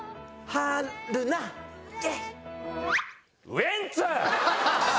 ウエンツ！